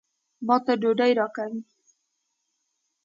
ما ته ډوډۍ راکوي.